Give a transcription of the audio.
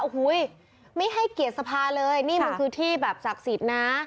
โอ้โหไม่ให้เกียรติสภาเลยนี่มันคือที่แบบศักดิ์สิทธิ์นะ